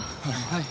はい。